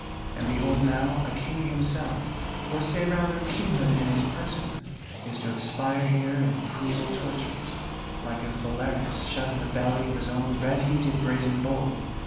And behold now a King himself, or say rather King hood in his person, is to expire here in cruel tortures, like a Phalaris shut in the belly of his own red heated Brazen Bull!